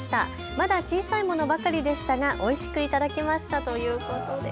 まだ小さいものばかりでしたがおいしく頂きましたということです。